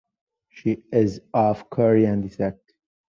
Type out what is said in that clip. She is of Korean descent.